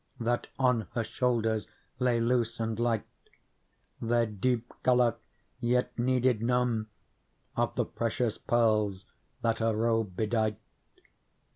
That on her shoulders lay loose and light ; Their deep colour yet needed none Of the precious pearls that her robe bedight.